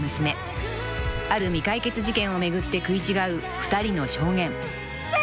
［ある未解決事件を巡って食い違う２人の証言］